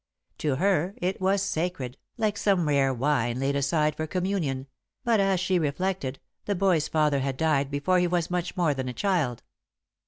To her it was sacred, like some rare wine laid aside for communion, but, as she reflected, the boy's father had died before he was much more than a child.